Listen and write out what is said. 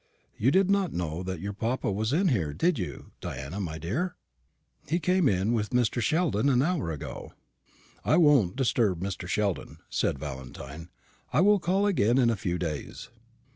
You did not know that your papa was here, did you, Diana, my dear? He came in with Mr. Sheldon an hour ago." "I won't disturb Mr. Sheldon," said Valentine. "I will call again in a few days."